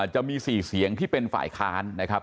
จะมี๔เสียงที่เป็นฝ่ายค้านนะครับ